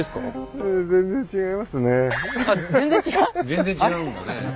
全然違うんだねえ。